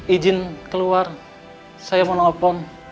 ijin keluar saya mau nge pon